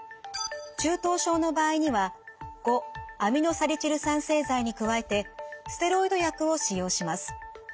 中等症の場合には５−アミノサリチル酸製剤に加えてステロイド薬を使用します。